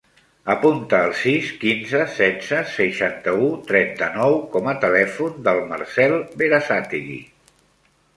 Apunta el sis, quinze, setze, seixanta-u, trenta-nou com a telèfon del Marcel Berasategui.